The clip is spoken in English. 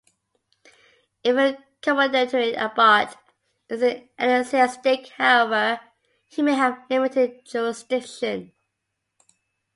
If a commendatory abbot is an ecclesiastic, however, he may have limited jurisdiction.